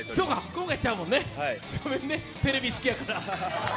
今回はちゃうもんね、すいません、テレビ好きやから。